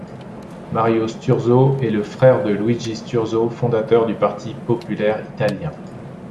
Mario Sturzo est le frère de Luigi Sturzo, fondateur du parti populaire italien.